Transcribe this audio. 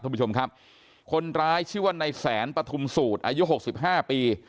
ทุกผู้ชมครับคนร้ายชื่อว่านายแสนปทุมสูตรอายุ๖๕ปี